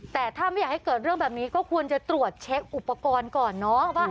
แต่ถ้าไม่อยากให้เกิดเรื่องแบบนี้ก็ควรจะตรวจเช็คอุปกรณ์ก่อนเนาะ